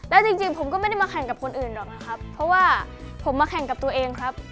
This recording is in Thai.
แล้วจริงผมก็ไม่ได้มาแข่งกับคนอื่นหรอกนะครับเพราะว่าผมมาแข่งกับตัวเองครับ